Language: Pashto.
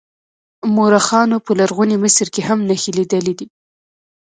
مورخانو په لرغوني مصر کې هم نښې لیدلې دي.